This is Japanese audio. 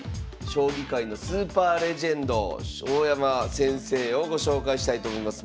将棋界のスーパーレジェンド大山先生をご紹介したいと思います。